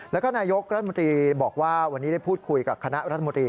แล้วก็นายกรัฐมนตรีบอกว่าวันนี้ได้พูดคุยกับคณะรัฐมนตรี